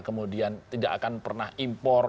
kemudian tidak akan pernah impor